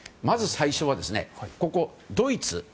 まず最初はドイツ。